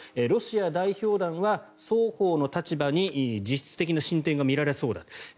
ロシア代表団は、双方の立場に実質的な進展が見られそうだと。